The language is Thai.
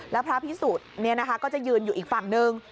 แล้วพระพิสุทธิ์ก็จะยืนอยู่อีกฝั่งหนึ่ง